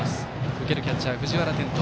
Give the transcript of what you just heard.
受けるキャッチャー、藤原天斗。